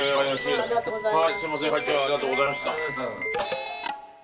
ありがとうございます。